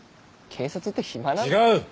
警察って暇なの？